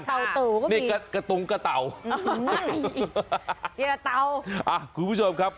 กะตุ๋ก็มีเนี้ยกะตุ๋งกะเต่าเดี๋ยวเต่าอ่าคุณผู้ชมครับ